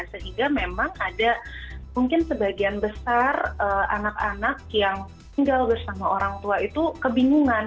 sehingga memang ada mungkin sebagian besar anak anak yang tinggal bersama orang tua itu kebingungan